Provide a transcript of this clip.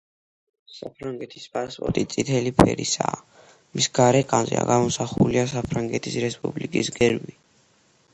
საფრანგეთის პასპორტი წითელი ფერისაა; მისი გარეკანზე გამოსახულია საფრანგეთის რესპუბლიკის გერბი.